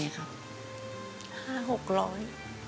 ประมาณไหนครับ